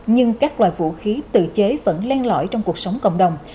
nhưng các loại vũ khí tự chế vẫn len lõi trong cuộc sống cộng đồng